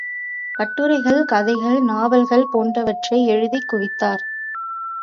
கட்டுரைகள், கதைகள், நாவல்கள் போன்றவற்றை எழுதிக் குவித்தார்.